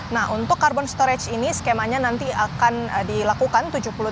nah untuk carbon storage ini skemanya nanti akan dilakukan tujuh puluh tiga puluh